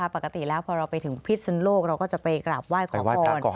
ปกติพอเราไปถึงพิศนโลกเราก็จะไปกล่าบไหว้ขอบคร